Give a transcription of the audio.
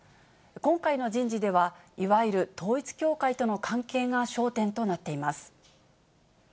今回の人事では、いわゆる統一教会との関係が焦点となっています。